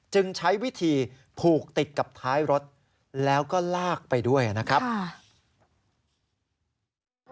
จึงใช้วิธีผูกติดกับท้ายรถแล้วก็ลากไปด้วยนะครับ